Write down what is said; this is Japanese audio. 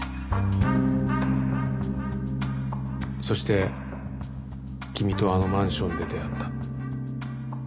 そして君とあのマンションで出会った。